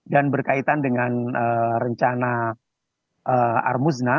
dan berkaitan dengan rencana armuzna